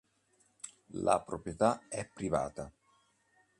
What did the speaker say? La proprietà è privata..